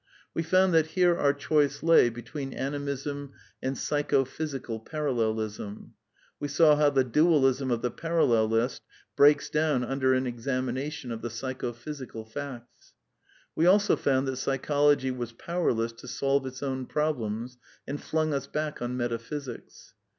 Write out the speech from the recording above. We fotmd that here our choice lay between Animism and Psychophysical Parallelisnu We saw how the Dual ism of the parallelist broke down under an examination of the psychophysical facts. We also found that Psychology was powerless to solve its own problems, and flung us back on Metaphysics.